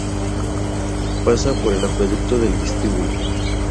Pasa por el "acueducto del vestíbulo".